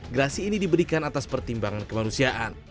gerasi ini diberikan atas pertimbangan kemanusiaan